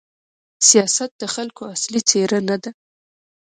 سیاست د خلکو اصلي څېره نه ده.